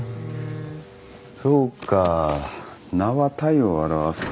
そうか名は体を表すか。